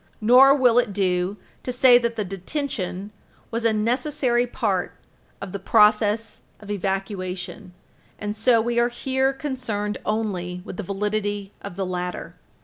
Nor will it do to say that the detention was a necessary part of the process of evacuation, and so we are here concerned only with the validity of the latter.